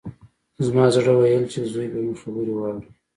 زما زړه ويل چې زوی به مې خبرې واوري.